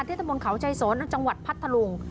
ที่ทะมนต์เขาชายสนจังหวัดพัทธรุง